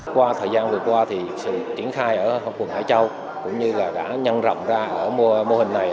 qua thời gian vừa qua thì sự triển khai ở quận hải châu cũng như là đã nhân rộng ra ở mô hình này